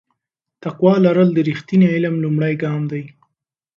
تقوا لرل د رښتیني علم لومړی ګام دی.